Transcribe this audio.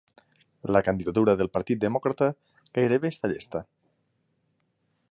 La candidatura del Partit Demòcrata gairebé està llesta